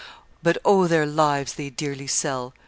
But O, their lives they dearly sell!